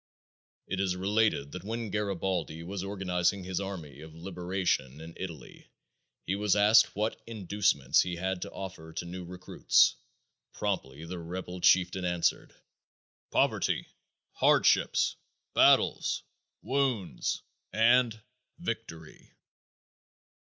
It is related that when Garibaldi was organizing his army of liberation in Italy, he was asked what inducements he had to offer to new recruits. Promptly the rebel chieftain answered: "Poverty, hardships, battles, wounds, and victory!"